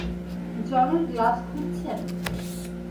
জলের গ্লাস খুঁজছেন?